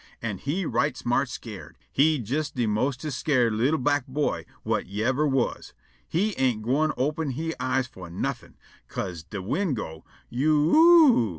An' he right smart scared. He jes' de mostest scared li'l' black boy whut yever was. He ain't gwine open he eyes fo' nuffin', 'ca'se de wind go, "You you o o o!"